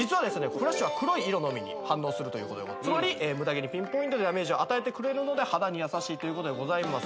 フラッシュは黒い色のみに反応するということでつまりムダ毛にピンポイントでダメージを与えてくれるので肌に優しいということでございます